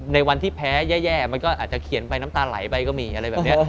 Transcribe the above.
ในวันที่แพ้แย่มันก็อาจจะเขียนไปน้ำตาไหลไปก็มีอะไรแบบนี้